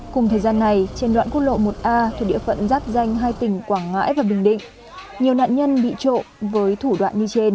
cùng thời gian này trên đoạn quốc lộ một a thuộc địa phận giáp danh hai tỉnh quảng ngãi và bình định nhiều nạn nhân bị trộm với thủ đoạn như trên